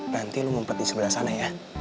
nanti lo ngumpet di sebelah sana ya